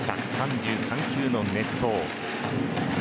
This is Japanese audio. １３３球の投闘。